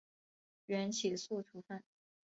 缓起诉处分。